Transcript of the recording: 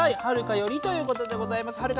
はるかより」ということでございます。